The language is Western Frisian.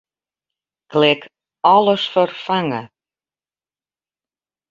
Klik Alles ferfange.